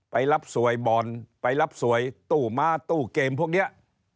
ไปรับสวยบ่อนไปรับสวยตู้ม้าตู้เกมพวกนี้